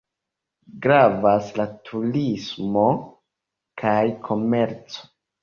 Gravas la turismo kaj komerco.